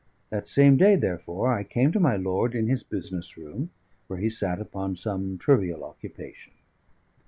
That same day, therefore, I came to my lord in his business room, where he sat upon some trivial occupation.